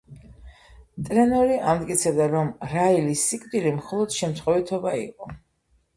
ტრენორი ამტკიცებდა, რომ რაილის სიკვდილი მხოლოდ შემთხვევითობა იყო.